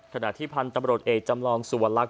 ขณะที่พันธุ์ตำรวจเอกจำลองสุวรรค